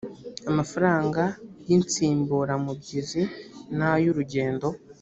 amafaranga y insimburamubyizi n ay urugendo